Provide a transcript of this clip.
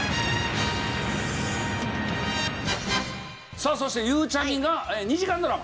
さあそしてゆうちゃみが２時間ドラマ。